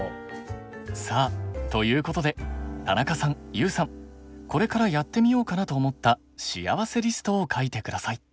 さあということで田中さんＹＯＵさんこれからやってみようかなと思ったしあわせリストを書いて下さい。